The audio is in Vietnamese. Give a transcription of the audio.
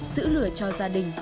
giữ lửa cho gia đình